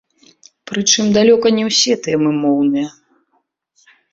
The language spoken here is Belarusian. Прычым далёка не ўсе тэмы моўныя.